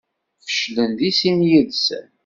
Feclen deg sin yid-sen.